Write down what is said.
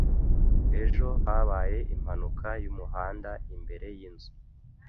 Ejo habaye impanuka yumuhanda imbere yinzu.